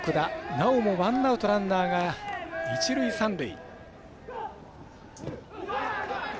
なおも、ワンアウトランナーが一塁、三塁。